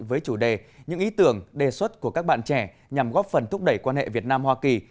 với chủ đề những ý tưởng đề xuất của các bạn trẻ nhằm góp phần thúc đẩy quan hệ việt nam hoa kỳ